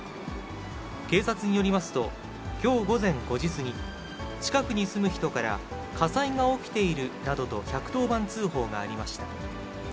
警察によりますと、きょう午前５時過ぎ、近くに住む人から火災が起きているなどと１１０番通報がありました。